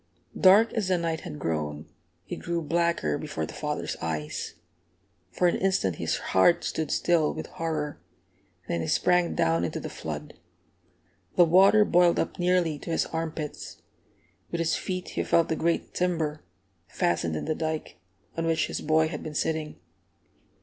Dark as the night had grown, it grew blacker before the father's eyes. For an instant his heart stood still with horror, then he sprang down into the flood. The water boiled up nearly to his arm pits. With his feet he felt the great timber, fastened in the dike, on which his boy had been sitting.